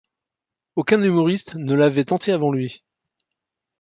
Aucun humoriste de l'avait tenté avant lui.